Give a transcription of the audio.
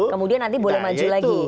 kemudian nanti boleh maju lagi